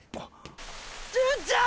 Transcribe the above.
純ちゃん！！